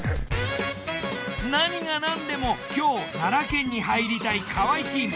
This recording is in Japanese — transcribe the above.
何が何でも今日奈良県に入りたい河合チーム。